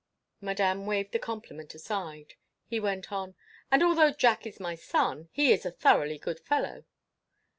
Madame waved the compliment aside. He went on. "And although Jack is my son, he is a thoroughly good fellow."